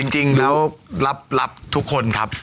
จริงแล้วรับทุกคนครับ